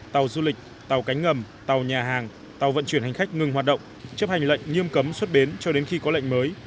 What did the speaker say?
tàu du lịch tàu cánh ngầm tàu nhà hàng tàu vận chuyển hành khách ngừng hoạt động chấp hành lệnh nghiêm cấm xuất bến cho đến khi có lệnh mới